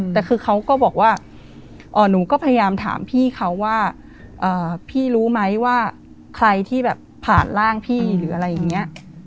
แต่คือเขาก็บอกว่าหนูก็พยายามถามพี่เขาว่าพี่รู้ไหมว่าใครที่แบบผ่านร่างพี่หรืออะไรอย่างนี้